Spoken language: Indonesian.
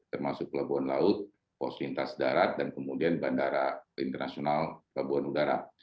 termasuk pelabuhan laut pos lintas darat dan kemudian bandara internasional pelabuhan udara